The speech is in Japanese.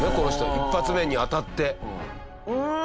１発目に当たって。